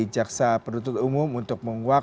jaksa penuntut umum untuk menguak